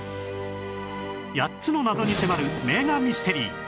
８つの謎に迫る名画ミステリー